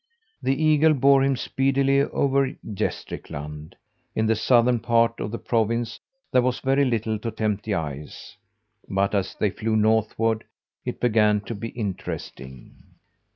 The eagle bore him speedily over Gästrikland. In the southern part of the province there was very little to tempt the eye. But as they flew northward, it began to be interesting.